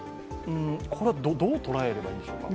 これはどう捉えればいいでしょうか？